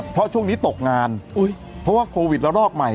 เพราะช่วงนี้ตกงานเพราะว่าโควิดละลอกใหม่